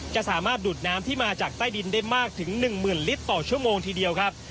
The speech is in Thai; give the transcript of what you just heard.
จะสามารถดูดน้ำที่มาจากใต้ดินได้มากถึง๑๐๐๐ลิตรต่อชั่วโมงทีเดียวครับ